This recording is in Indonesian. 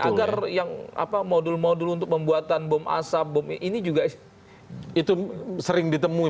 agar yang modul modul untuk pembuatan bom asap bom ini juga itu sering ditemui